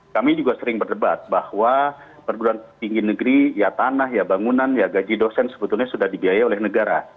kami juga sering berdebat bahwa perguruan tinggi negeri ya tanah ya bangunan ya gaji dosen sebetulnya sudah dibiaya oleh negara